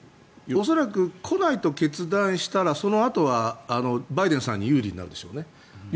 恐らく来ないと決断したらそのあとは、バイデンさんに有利になるでしょうね。